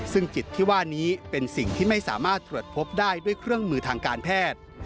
ซึ่งจิตที่ว่านี้เป็นสิ่งที่ไม่สามารถตรวจพบได้ด้วยเครื่องมือทางการแพทย์